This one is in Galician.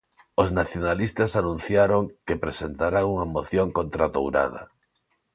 Os nacionalistas anunciaron que presentarán unha moción contra a 'tourada'.